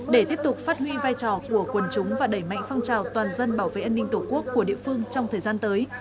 để tiếp tục phát huy vai trò của quần chúng và đẩy mạnh phong trào toàn dân bảo vệ an ninh tổ quốc của địa phương trong thời gian tới